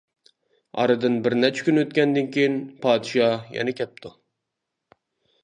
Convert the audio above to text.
ئارىدىن بىر نەچچە كۈن ئۆتكەندىن كېيىن، پادىشاھ يەنە كەپتۇ.